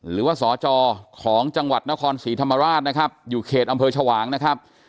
หรือว่าสจของจังหวัดนครศรีธรรมราชนะครับอยู่เขตอำเภอชวางนะครับ